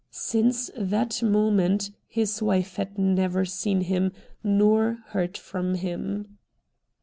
Since that moment his wife had never seen him nor heard from him.